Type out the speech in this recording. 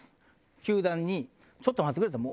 球団に「ちょっと待ってくれ」と。わすごい！